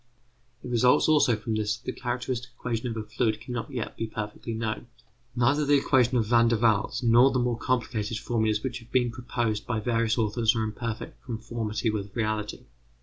It results also from this that the characteristic equation of a fluid cannot yet be considered perfectly known. Neither the equation of Van der Waals nor the more complicated formulas which have been proposed by various authors are in perfect conformity with reality.